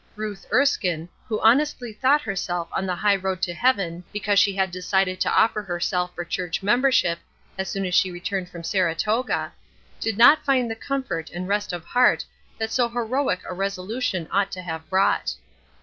Ruth Erskine who honestly thought herself on the high road to heaven because she had decided to offer herself for church membership as soon as she returned from Saratoga did not find the comfort and rest of heart that so heroic a resolution ought to have brought.